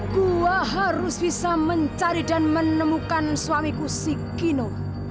gua harus bisa mencari dan menemukan suamiku si kino